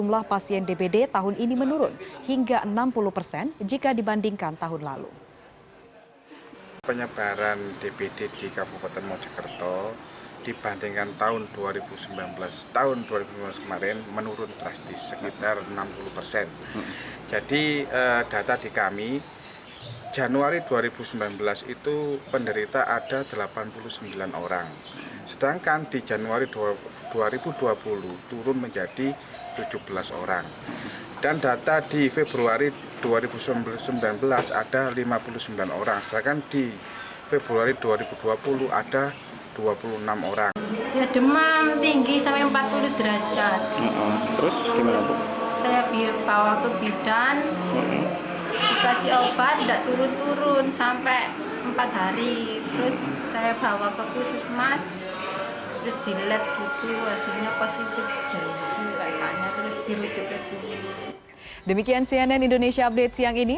demikian cnn indonesia update siang ini